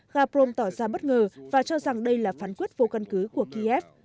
gaprom tỏ ra bất ngờ và cho rằng đây là phán quyết vô căn cứ của kiev